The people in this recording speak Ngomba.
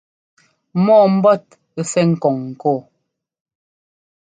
Mɔ́ɔ mbɔ́t sɛ́ ŋ́kɔ́ŋ ŋkɔɔ.